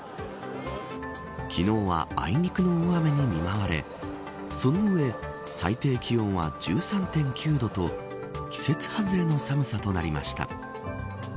昨日はあいにくの大雨に見舞われその上、最低気温は１３．９度と季節外れの寒さとなりました。